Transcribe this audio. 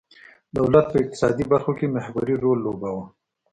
دولت په اقتصادي برخو کې محوري رول لوباوه.